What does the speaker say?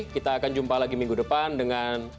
kita akan jumpa lagi minggu depan dengan